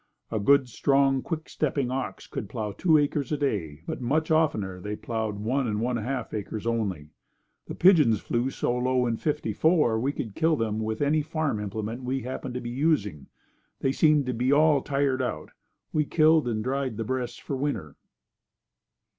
A good strong, quick stepping ox could plow two acres a day but much oftener they plowed one and one half acres only. The pigeons flew so low in '54 that we could kill them with any farm implement we happened to be using. They seemed to be all tired out. We killed and dried the breasts for winter.